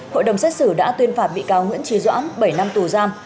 hội đồng xét xử đã tuyên phạt bị cáo nguyễn trí doãn bảy năm tù giam